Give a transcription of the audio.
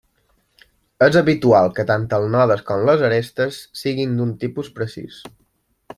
És habitual que tant els nodes com les arestes siguin d'un tipus precís.